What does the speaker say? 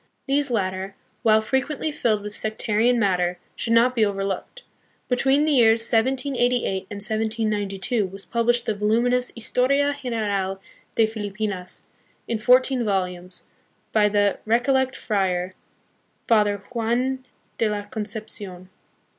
These latter, while frequently filled with sectarian matter, should not be overlooked. Between the years 1788 and 1792 was published the voluminous Historia General de Filipinas, in fourteen vol umes, by the Recollect friar, Father Juan de la Concep cion.